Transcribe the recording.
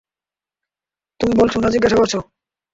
তুমি বলছো, না জিজ্ঞাসা করছো?